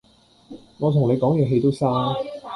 我同你講嘢氣都嘥